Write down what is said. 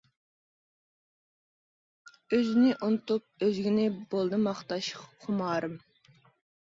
ئۆزنى ئۇنتۇپ ئۆزگىنى بولدى ماختاش خۇمارىم.